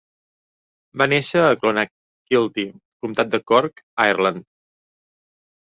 Va néixer a Clonakilty, comtat de Cork, Ireland.